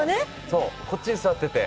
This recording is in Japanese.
そうこっちに座ってて。